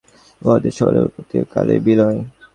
উহাদের সকলেরই কালে উৎপত্তি ও কালেই বিলয়।